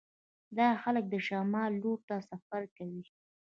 دا خلک د شمال لور ته سفر کوي